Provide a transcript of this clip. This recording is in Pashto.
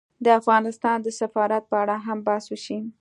د افغانستان د سفارت په اړه هم بحث وشي